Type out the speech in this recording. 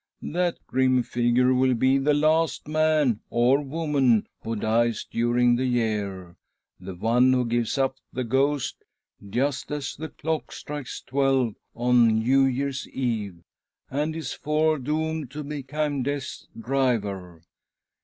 That grim figure will be the last man or woman who dies during the year — the one who gives up the ghost just as the clock strikes twelve on New Year's Eve — and is foredoomed to. become Death's driver.